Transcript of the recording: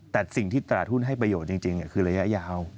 แต่สิ่งที่ตลาดหุ้นให้ประโยชน์จริงคือระยะยาว